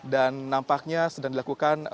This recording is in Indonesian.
dan nampaknya sedang dilakukan